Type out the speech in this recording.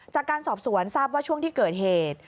จากการสอบสวนทราบว่าช่วงที่เกิดเหตุ